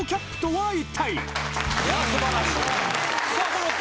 はい。